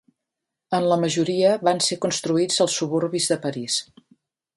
En la majoria van ser construïts als suburbis de París.